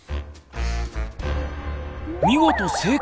見事成功！